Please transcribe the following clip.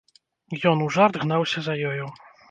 Ён у жарт гнаўся за ёю.